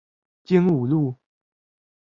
經武路